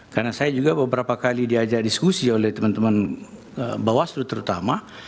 karena saya juga beberapa kali diajak diskusi oleh teman teman bawaslu terutama